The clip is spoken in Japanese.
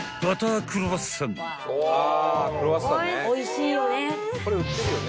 おいしいよね。